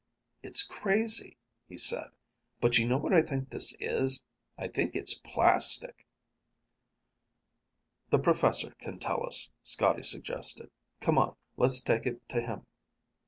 "It's crazy," he said. "But you know what I think this is? I think it's plastic!" "The professor can tell us," Scotty suggested. "Come on. Let's take it to him."